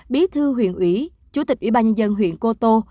bí thư huyện ủy chủ tịch ủy ban nhân dân huyện cô tô